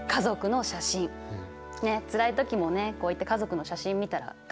ねっつらい時もねこういった家族の写真見たら頑張れるもんね。